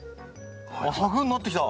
あ柵になってきた！